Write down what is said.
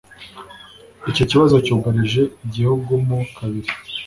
Icyo kibazo cyugarije igihugu mo kabiri